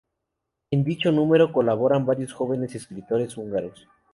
En dicho número colaboran varios jóvenes escritores húngaros.